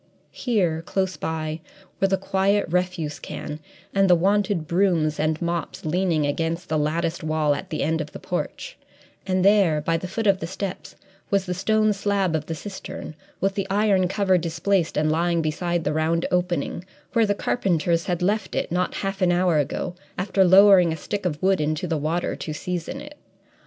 Here, close by, were the quiet refuse can and the wonted brooms and mops leaning against the latticed wall at the end of the porch, and there, by the foot of the steps, was the stone slab of the cistern, with the iron cover displaced and lying beside the round opening, where the carpenters had left it, not half an hour ago, after lowering a stick of wood into the water, "to season it."